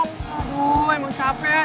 aduh emang capek ya